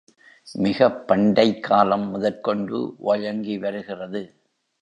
மிகப் பண்டைக் காலம் முதற்கொண்டு வழங்கி வருகிறது.